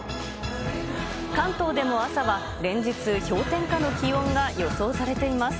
関東でも朝は、連日氷点下の気温が予想されています。